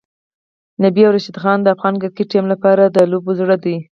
نبی او راشدخان د افغان کرکټ ټیم لپاره د لوبو زړه دی.